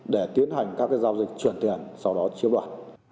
để tiến hành các giao dịch chuyển tiền sau đó chiếm đoạt